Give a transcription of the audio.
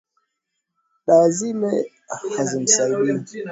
Dawa zile hazimsaidii